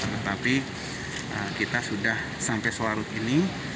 tetapi kita sudah sampai selarut ini